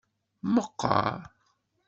Meqqar.